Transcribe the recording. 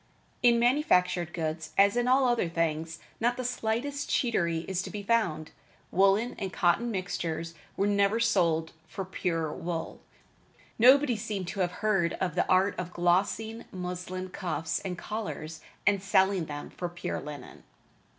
In manufactured goods, as in all other things, not the slightest cheatery is to be found. Woolen and cotton mixtures were never sold for pure wool. Nobody seemed to have heard of the art of glossing muslin cuffs and collars and selling them for pure linen.